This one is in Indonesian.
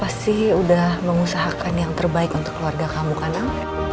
mama juga yakin al pasti sudah mengusahakan yang terbaik untuk keluarga kamu kan al